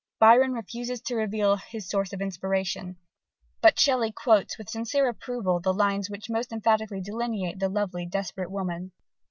Byron refuses to reveal his source of inspiration: but Shelley quotes with sincere approval the lines which most emphatically delineate that lovely, desperate woman.